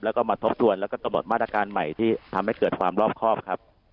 แล้วก็มาทบทวนแล้วก็กำหนดมาตรการใหม่ที่ทำให้เกิดความรอบครอบครับ